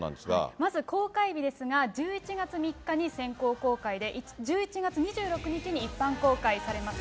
まず、公開日ですが、１１月３日に先行公開で、１１月２６日に一般公開されます。